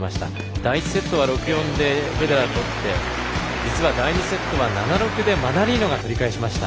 第１セットは６−４でフェデラーがとって実は第２セットは７−６でマナリーノが取り返しました。